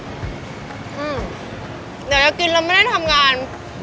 อื้มยังจะกินแล้วไม่ได้ทำงาน